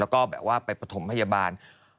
แล้วก็แบบว่าไปประถมพยาบาล